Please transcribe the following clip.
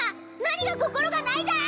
何が心がないだ！